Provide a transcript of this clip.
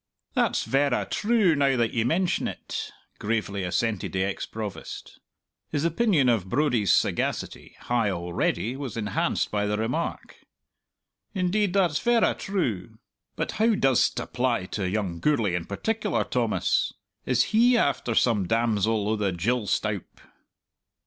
"That's verra true, now that ye mention't," gravely assented the ex Provost. His opinion of Brodie's sagacity, high already, was enhanced by the remark. "Indeed, that's verra true. But how does't apply to young Gourlay in particular, Thomas? Is he after some damsel o' the gill stoup?"